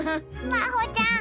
まほちゃん